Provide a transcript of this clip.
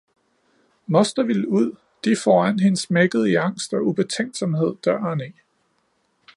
Moster ville ud, de foran hende smækkede i angst og ubetænksomhed døren i